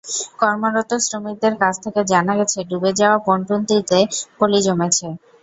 কর্মরত শ্রমিকদের কাছ থেকে জানা গেছে, ডুবে যাওয়া পন্টুনটিতে পলি জমেছে।